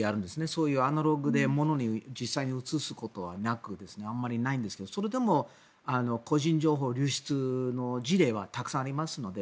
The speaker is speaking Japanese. そういうアナログでものに実際に移すことはあんまりないんですがそれでも個人情報流出の事例はたくさんありますので。